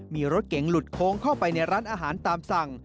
มีรถเก๋งหลุดโค้งเข้าไปในร้านอาหารตามสั่ง